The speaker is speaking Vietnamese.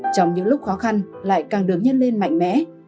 trong những lúc khó khăn lại càng được nhân lên mạnh mẽ